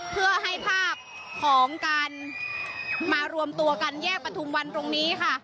เพื่อให้ภาพของการมารวมตัวกันแยกประทุมวันตรงนี้ค่ะ